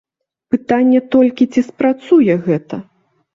Пытанне толькі, ці спрацуе гэта.